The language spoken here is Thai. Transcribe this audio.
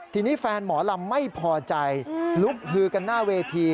ทีนี้แฟนหมอลำไม่พอใจลุกฮือกันหน้าเวที